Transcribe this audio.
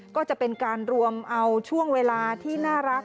ก็จะเป็นการรวมเอาช่วงเวลาที่น่ารัก